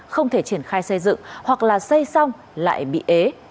không thể triển khai xây dựng hoặc là xây xong lại bị ế